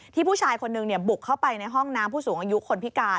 ผู้ชายคนหนึ่งบุกเข้าไปในห้องน้ำผู้สูงอายุคนพิการ